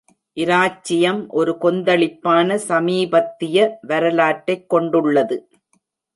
இராச்சியம் ஒரு கொந்தளிப்பான சமீபத்திய வரலாற்றைக் கொண்டுள்ளது.